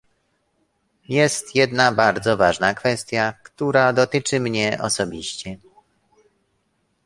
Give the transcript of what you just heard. Jest jedna bardzo ważna kwestia, która dotyczy mnie osobiście